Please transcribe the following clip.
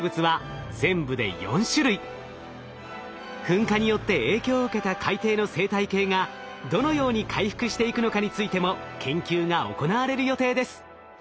噴火によって影響を受けた海底の生態系がどのように回復していくのかについても研究が行われる予定です。